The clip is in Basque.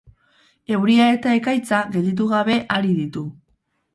Euria eta ekaitza gelditu gabe ari ditu.